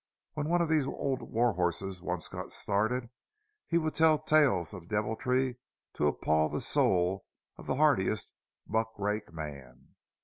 When one of these old war horses once got started, he would tell tales of deviltry to appall the soul of the hardiest muck rake man.